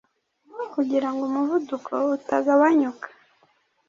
kugira ngo umuvuduko utagabanyuka.